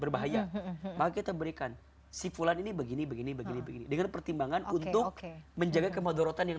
baik kita berikan sifulan ini begini begini begini dengan pertimbangan untuk menjaga kemadurotan yang